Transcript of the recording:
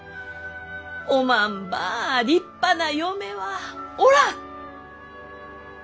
おまんばあ立派な嫁はおらん！